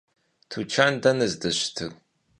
Tuçan dene zdeşıtır?